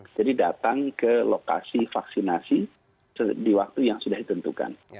jadi datang ke lokasi vaksinasi di waktu yang sudah ditentukan